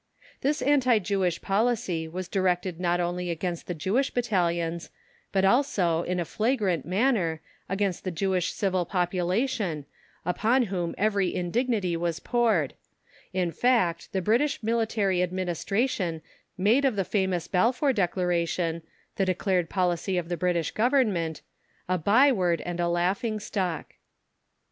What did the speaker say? This anti Jewish policy was directed not only against the Jewish Battalions, but also, in a flagrant manner, against the Jewish civil population, upon whom every indignity was poured; in fact, the British Military Administration made of the famous Balfour Declaration the declared policy of the British Government a byword and a laughing stock.